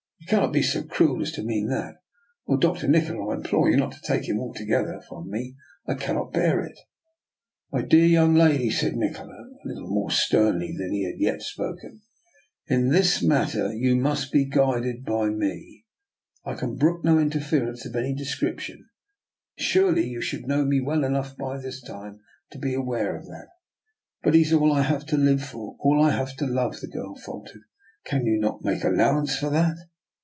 " You cannot be so cruel as to mean that, Oh, Dr. Nikola, I implore you not to take him altogether from me. I cannot bear it." " My dear young lady," said Nikola, a lit DR. NIKOLA'S EXPERIMENT. 159 tie more sternly than he had yet spoken, " in this matter you must be guided by me. I can brook no interference of any description. Surely you should know me well enough by this time to be aware of that." " But he is all I have to live for — all I have to love," the girl faltered. " Can you not make allowance for that?"